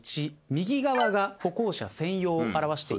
右側が歩行者専用を表していますよね。